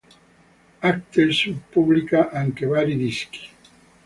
Actes Sud pubblica anche vari dischi.